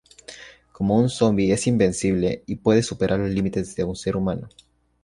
Como un zombie, es invencible y puede superar los límites de un ser humano.